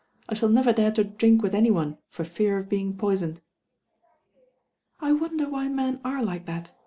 I shaU never dare to drink with any one for fear of being poisoned." "I wond : why men are like that?"